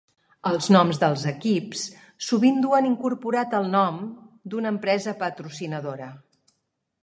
Els noms dels equips sovint duen incorporat el nom d'una empresa patrocinadora.